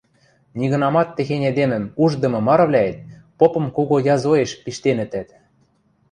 Нигынамат техень эдемӹм уждымы марывлӓэт попым кого язоэш пиштенӹтӓт